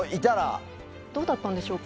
どうだったんでしょうか。